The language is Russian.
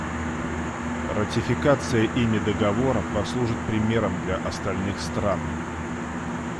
Ратификация ими Договора послужит примером для остальных стран.